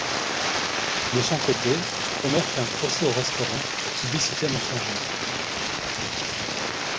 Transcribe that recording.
De son côté, Homer fait un procès au restaurant pour publicité mensongère.